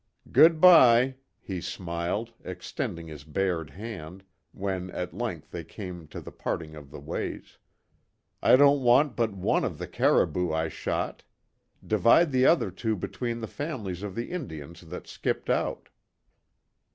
"Good bye," he smiled, extending his bared hand, when at length they came to the parting of the ways, "I don't want but one of the caribou I shot. Divide the other two between the families of the Indians that skipped out."